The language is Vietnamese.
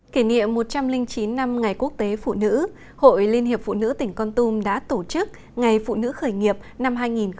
kỷ niệm một trăm linh chín năm ngày quốc tế phụ nữ hội liên hiệp phụ nữ tỉnh con tum đã tổ chức ngày phụ nữ khởi nghiệp năm hai nghìn một mươi chín